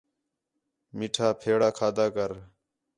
مِٹھا پھیݨاں کھادا کر